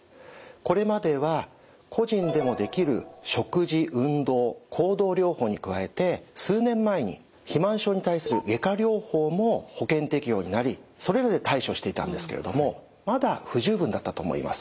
これまでは個人でもできる食事・運動・行動療法に加えて数年前に肥満症に対する外科療法も保険適用になりそれらで対処していたんですけれどもまだ不十分だったと思います。